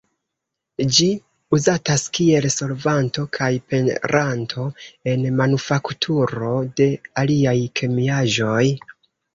Ĝi uzatas kiel solvanto kaj peranto en manufakturo de aliaj kemiaĵoj.